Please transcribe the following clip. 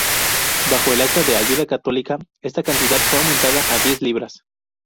Bajo el Acta de Ayuda Católica, esta cantidad fue aumentada a diez libras.